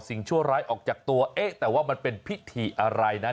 ชั่วร้ายออกจากตัวเอ๊ะแต่ว่ามันเป็นพิธีอะไรนั้น